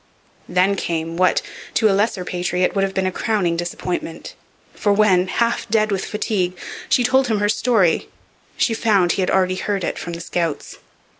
Then came what, to a lesser patriot, would have been a crowning disappointment. For when, half dead with fatigue, she told him her story, she found he had already heard it from the scouts.